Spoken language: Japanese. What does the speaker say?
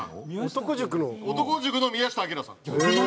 『男塾』の宮下あきらさん。